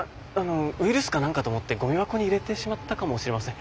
ウイルスか何かと思ってごみ箱に入れてしまったかもしれません。